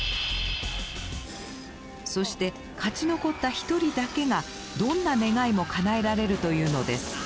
そして勝ち残った１人だけがどんな願いもかなえられるというのです。